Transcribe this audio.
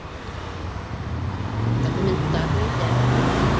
Документтар миндә.